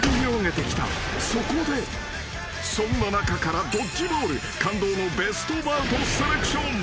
［そこでそんな中からドッジボール感動のベストバウトセレクション］